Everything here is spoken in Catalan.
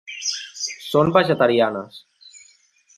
Són vegetarianes.